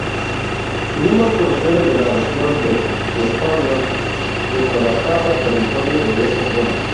Su nombre procede de la región de Westfalia, pues abarcaba territorio de esa zona.